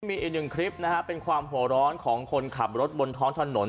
มีอีกหนึ่งคลิปนะฮะเป็นความหัวร้อนของคนขับรถบนท้องถนน